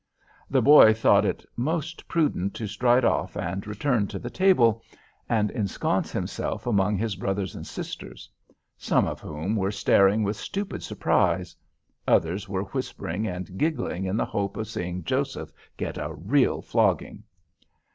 The boy thought it most prudent to stride off and return to the table, and ensconce himself among his brothers and sisters; some of whom were staring with stupid surprise; others were whispering and giggling in the hope of seeing Joseph get a real flogging.